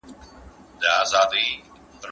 موږ نه پوهیږو چي واقعیا څه غواړو.